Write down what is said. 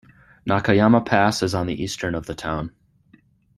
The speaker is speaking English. Nakayama Pass is on the eastern of the town.